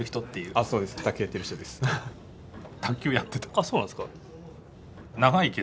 あっそうなんですか？